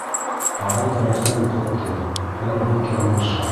Ағай тарихтан уҡытты, хәҙер бик яңылыша.